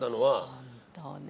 本当ね。